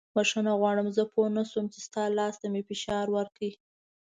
بښنه غواړم زه پوه نه شوم چې ستا لاس ته مې فشار ورکړی.